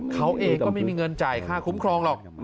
เขาเองก็ไม่มีเงินจ่ายค่าคุ้มครองหรอก